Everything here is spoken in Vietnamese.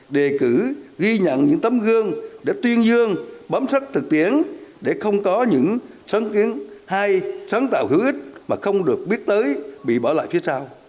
đề cử ghi nhận những tấm gương để tuyên dương bấm sát thực tiễn để không có những sáng kiến hay sáng tạo hữu ích mà không được biết tới bị bỏ lại phía sau